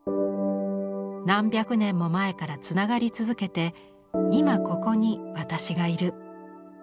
「何百年も前から繋がり続けて今ここに私がいる。